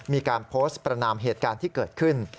มีการโพสต์ประนามเหตุการณ์ที่เกิดขึ้น